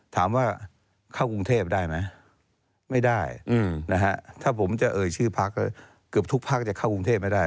ถามว่าเข้ากรุงเทพได้ไหมไม่ได้นะฮะถ้าผมจะเอ่ยชื่อพักเกือบทุกพักจะเข้ากรุงเทพไม่ได้